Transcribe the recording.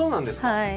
はい。